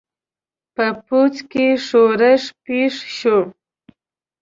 په پوځ کې ښورښ پېښ شو.